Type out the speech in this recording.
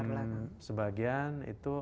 berlaku sebagian itu